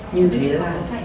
như thế là